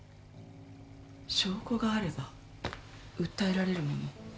証拠があれば訴えられるもの。